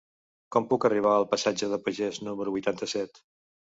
Com puc arribar al passatge de Pagès número vuitanta-set?